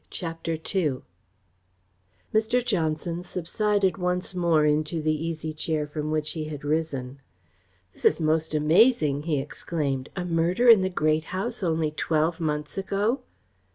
CHAPTER II Mr. Johnson subsided once more into the easy chair from which he had risen. "This is most amazing!" he exclaimed. "A murder in the Great House only twelve months ago!"